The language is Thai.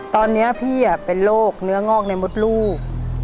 ตอนนี้พี่เป็นโรคเนื้องอกในมดลูก